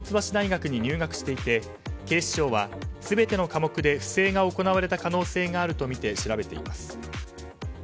オウ容疑者は一橋大学に入学していて警視庁は全ての科目で不正が行われた可能性があるとみて調べています。